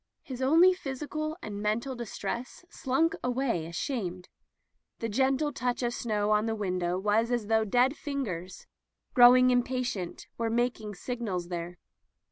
His own physical and men tal distress slunk away ashamed. The gende touch of snow on the window was as though dead fingers, growing impatient, were mak ing signals there.